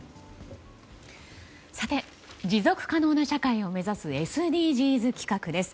さて、持続可能な社会を目指すＳＤＧｓ企画です。